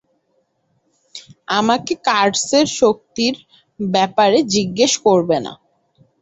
আমাকে কার্সের শক্তির ব্যাপারে জিজ্ঞেস করবে না।